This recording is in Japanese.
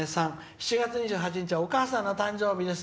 「７月２８日はお母さんの誕生日です」。